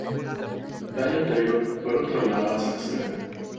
Danielle Taylor fueron trasladadas a este evento.